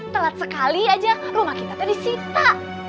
telat sekali aja rumah kita tuh disita